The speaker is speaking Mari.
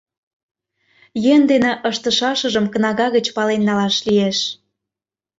Йӧн дене ыштышашыжым кнага гыч пален налаш лиеш.